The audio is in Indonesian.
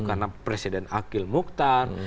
karena presiden akil mukhtar